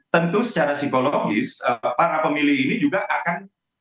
tentu secara psikologis para pemilih ini juga akan